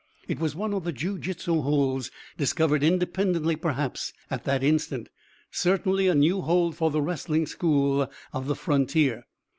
It was one of the jiu jitsu holds, discovered independently perhaps at that instant; certainly a new hold for the wrestling school of the frontier.